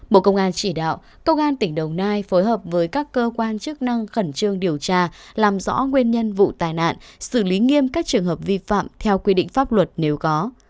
bộ công an chỉ đạo công an tỉnh đồng nai phối hợp với các cơ quan chức năng khẩn trương điều tra làm rõ nguyên nhân vụ tai nạn xử lý nghiêm các trường hợp vi phạm theo quy định pháp luật nếu có